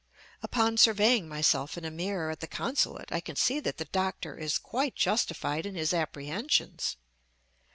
Upon surveying myself in a mirror at the consulate I can see that the doctor is quite justified in his apprehensions.